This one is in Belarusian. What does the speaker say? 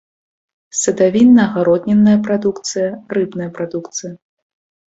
Садавінна-агароднінная прадукцыя, рыбная прадукцыя.